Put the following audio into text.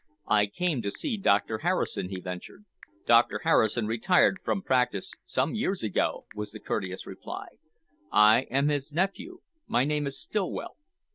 "I came to see Doctor Harrison," he ventured. "Doctor Harrison retired from practice some years ago," was the courteous reply. "I am his nephew. My name is Stillwell."